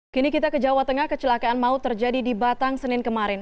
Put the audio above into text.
kini kita ke jawa tengah kecelakaan maut terjadi di batang senin kemarin